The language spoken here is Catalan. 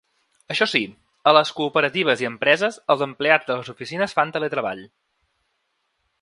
Això sí, a les cooperatives i empreses els empleats de les oficines fan teletreball.